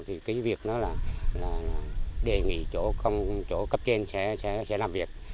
thì cái việc đó là đề nghị chỗ cấp trên sẽ làm việc